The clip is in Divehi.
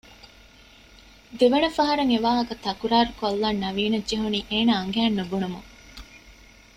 ދެވަނަ ފަހަރަށް އެވާހަކަ ތަކުރާރުކޮއްލަން ނަވީނަށް ޖެހުނީ އޭނާ އަނގައިން ނުބުނުމުން